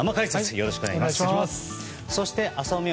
よろしくお願いします。